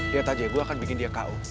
lihat aja gue akan bikin dia ku